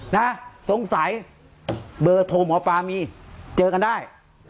นะสงสัยเบอร์โทรหมอปลามีเจอกันได้